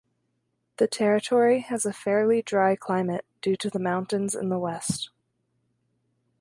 The Territory has a fairly dry climate due to the mountains in the west.